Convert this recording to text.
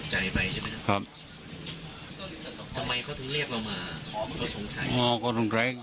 แล้วเจ้าไปถยังเรียกเรามาก็สงสัย